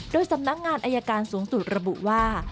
โดยสำนักงานอายการสูงสุดระบุว่า